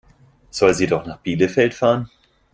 Soll sie doch nach Bielefeld fahren?